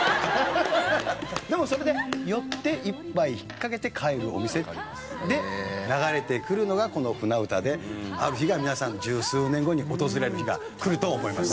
でもそれで寄って一杯ひっかけて帰るお店で流れてくるのがこの『舟唄』である日が皆さん十数年後に訪れる日が来ると思います。